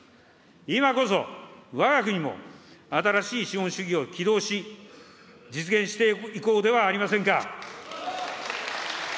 今こそ、わが国も新しい資本主義を起動し、実現していこうではありませんか。